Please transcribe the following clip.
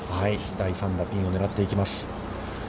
第３打ピンを狙っていきます。